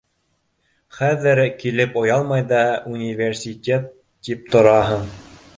Хәҙер килеп оялмай ҙа университет тип тораһың.